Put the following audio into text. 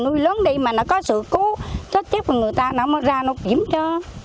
núi lớn đi mà nó có sự cứu chắc chắc là người ta nó mới ra nó kiếm cho